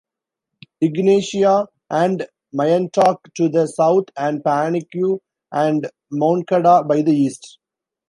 Ignacia and Mayantoc to the south and Paniqui and Moncada by the east.